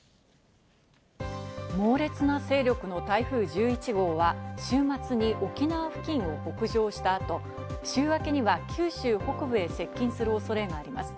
猛烈な勢力の台風１１号は週末に沖縄付近を北上した後、週明けには九州北部へ接近する恐れがあります。